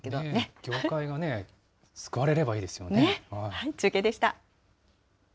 業界がね、救われればいいですよね。